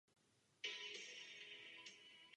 Je tohle v popisu práce poslance Evropského parlamentu?